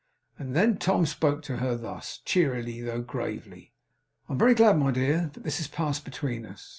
Then Tom spoke to her thus, cheerily, though gravely: 'I am very glad, my dear, that this has passed between us.